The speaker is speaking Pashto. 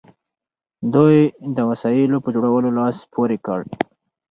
دوی د وسایلو په جوړولو لاس پورې کړ.